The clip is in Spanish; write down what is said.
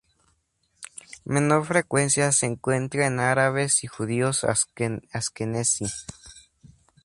Menor frecuencia se encuentra en árabes y judíos askenazí.